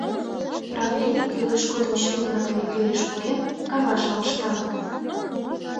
Правлений, кӱлеш годым член-влакым иквереш поген, каҥашым ышта.